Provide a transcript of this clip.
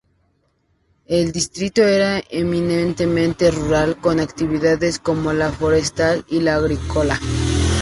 El distrito era eminentemente rural, con actividades como la forestal y la agrícola.